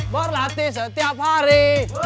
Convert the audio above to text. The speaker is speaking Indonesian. berlatih setiap hari